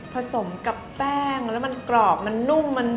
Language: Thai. ผสมกับแป้งแล้วมันกรอบมันนุ่ม